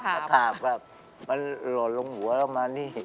ตะขาบครับมันหล่นลงหัวเรามานี่